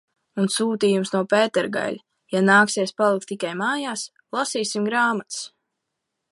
Un sūtījums no Pētergaiļa – ja nāksies palikt tikai mājās, lasīsim grāmatas!